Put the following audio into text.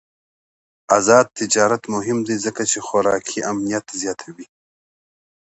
آزاد تجارت مهم دی ځکه چې خوراکي امنیت زیاتوي.